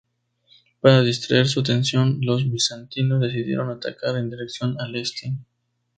Para distraer su atención los bizantinos decidieron atacar en dirección al este.